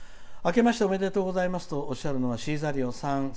「あけましておめでとうございました」とおっしゃるのはシーザリオさん。